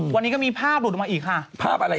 วันนี้ก็มีภาพหลุดออกมาอีกค่ะ